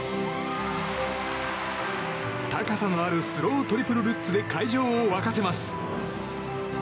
高さのあるスロートリプルルッツで会場を沸かせます。